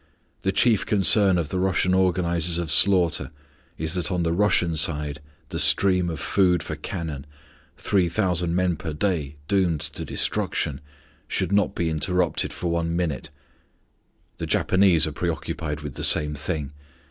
The chief concern of the Russian organizers of slaughter is that on the Russian side the stream of food for cannon three thousand men per day doomed to destruction should not be interrupted for one minute. The Japanese are preoccupied with the same thing.